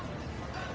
q h alta ter kangan